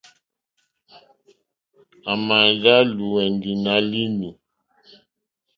À mà ndá lùwɛ̀ndì nǎ línì.